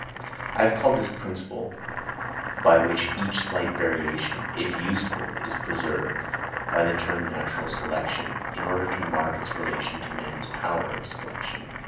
I have called this principle, by which each slight variation, if useful, is preserved, by the term natural selection, in order to mark its relation to man's power of selection.